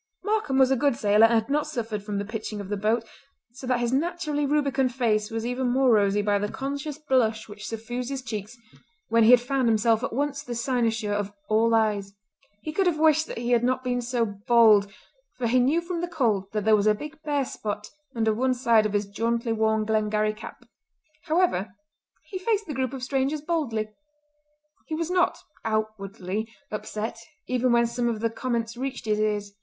Markam was a good sailor and had not suffered from the pitching of the boat, so that his naturally rubicund face was even more rosy by the conscious blush which suffused his cheeks when he had found himself at once the cynosure of all eyes. He could have wished that he had not been so bold for he knew from the cold that there was a big bare spot under one side of his jauntily worn Glengarry cap. However, he faced the group of strangers boldly. He was not, outwardly, upset even when some of the comments reached his ears.